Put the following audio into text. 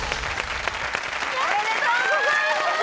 おめでとうございます。